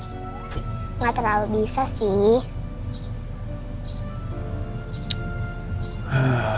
gak terlalu bisa sih